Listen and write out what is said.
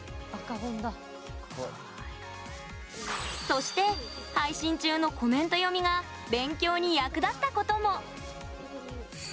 そして配信中のコメント読みが勉強に役立ったことも。